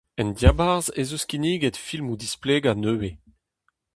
En diabarzh ez eus kinniget filmoù-displegañ nevez.